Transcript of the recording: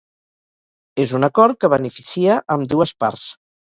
És un acord que beneficia ambdues parts.